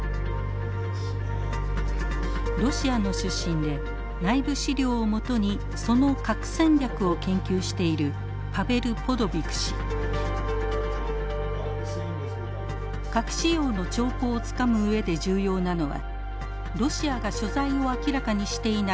ロシアの出身で内部資料を基にその核戦略を研究している核使用の兆候をつかむ上で重要なのはロシアが所在を明らかにしていない